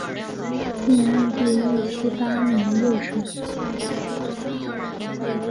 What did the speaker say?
晋安帝义熙八年又省。